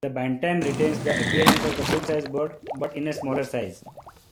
The Bantam retains the appearance of the full-size bird, but in a smaller size.